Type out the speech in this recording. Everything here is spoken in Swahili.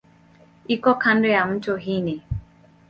Iko kando ya mto Rhine.